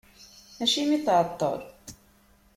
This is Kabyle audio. Acimi tεeṭṭel?